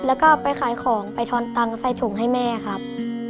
แล้วก็ไปขายของไปทอนตังค์ใส่ถุงให้แม่ครับ